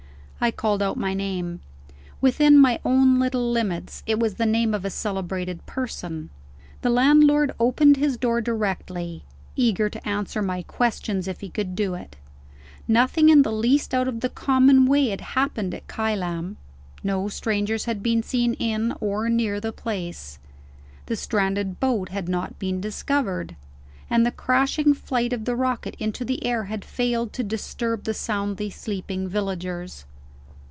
I called out my name. Within my own little limits, it was the name of a celebrated person. The landlord opened his door directly; eager to answer my questions if he could do it. Nothing in the least out of the common way had happened at Kylam. No strangers had been seen in, or near, the place. The stranded boat had not been discovered; and the crashing flight of the rocket into the air had failed to disturb the soundly sleeping villagers.